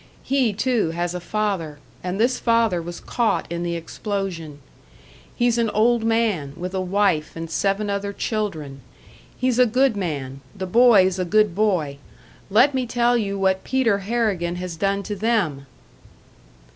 He, too, has a father; and this father was caught in the explosion. He's an old man, with a wife and seven other children. He's a good man, the boy's a good boy. Let me tell you what Peter Harrigan has done to them!"